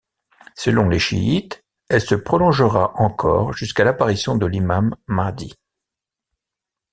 Selon les chiites, elle se prolongera encore jusqu'à l’apparition de l’Imam Mahdi.